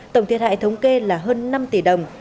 tổng thiệt hại thống kê là hơn năm tỷ đồng